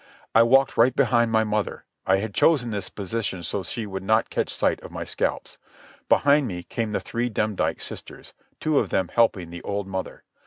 I walked right behind my mother. I had chosen this position so that she would not catch sight of my scalps. Behind me came the three Demdike sisters, two of them helping the old mother.